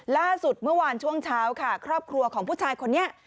ล่าสุดเมื่อวานช่วงเช้าค่ะครอบครัวของผู้ชายคนนี้